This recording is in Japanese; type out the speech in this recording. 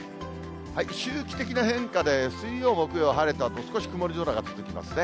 周期的な変化で、水曜、木曜晴れたあと、少し曇り空が続きますね。